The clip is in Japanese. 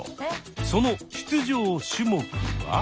その出場種目は。